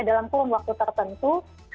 dalam kurun waktu tertentu